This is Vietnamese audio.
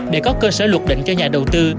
để có cơ sở luật định cho nhà đầu tư